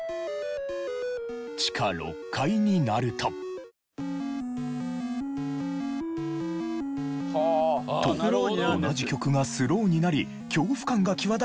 地下６階になると。と同じ曲がスローになり恐怖感が際立つドキドキ演出。